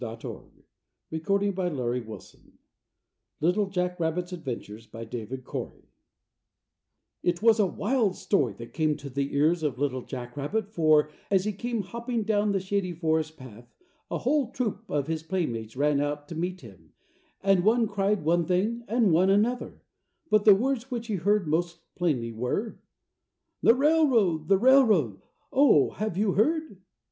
ORIOLE'S MIRROR 121 AN AIRSHIP RIDE 125 LITTLE JACK RABBIT'S ADVENTURES THE RAILROAD IT was a wild story that came to the ears of Little Jack Rabbit for, as he came hopping down the Shady Forest Path, a whole troop of his playmates ran out to meet him, and one cried one thing, and one another, but the words which he heard most plainly were: "The railroad! The railroad! Oh, have you heard?"